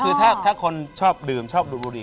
คือถ้าคนชอบดื่มชอบดูดบุหรี